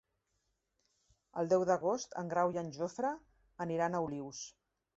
El deu d'agost en Grau i en Jofre aniran a Olius.